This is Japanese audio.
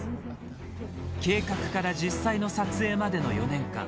計画から実際の撮影までの４年間。